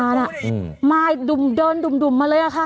โหรถ